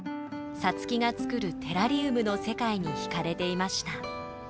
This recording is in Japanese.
皐月が作るテラリウムの世界に惹かれていました。